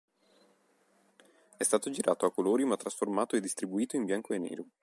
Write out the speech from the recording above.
È stato girato a colori ma trasformato e distribuito in bianco e nero.